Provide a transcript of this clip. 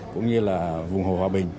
cũng như là vùng hồ hòa bình